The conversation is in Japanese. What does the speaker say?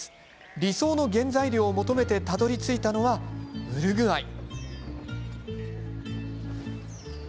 理想の原材料を求めてたどりついたのはウルグアイ。